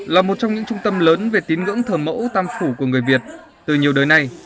là một trong những trung tâm lớn về tín ngưỡng thờ mẫu tam phủ của người việt từ nhiều đời này